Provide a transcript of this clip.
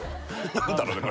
何だろうね